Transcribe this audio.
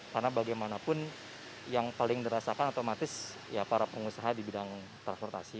karena bagaimanapun yang paling dirasakan otomatis ya para pengusaha di bidang transportasi